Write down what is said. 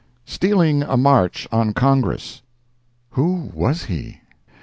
] Stealing a March on Congress—Who Was He?